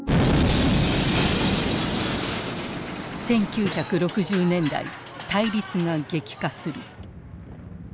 １９６０年代対立が激化する。